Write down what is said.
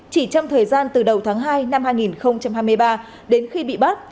chỉ trong thời gian từ đầu tháng hai năm hai nghìn hai mươi ba đến khi bị bắt